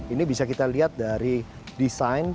ini bisa kita lihat dari desain